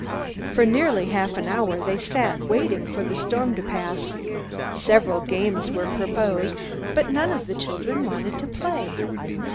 For nearly half an hour they sat waiting for the storm to pass. Several games were proposed, but none of the children wanted to play.